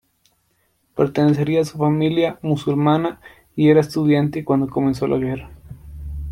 Pertenecía a una familia musulmana y era estudiante cuando comenzó la guerra.